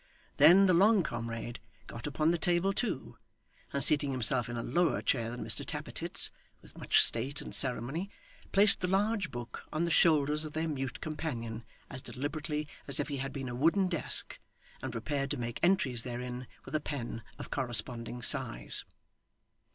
Then, the long comrade got upon the table too; and seating himself in a lower chair than Mr Tappertit's, with much state and ceremony, placed the large book on the shoulders of their mute companion as deliberately as if he had been a wooden desk, and prepared to make entries therein with a pen of corresponding size.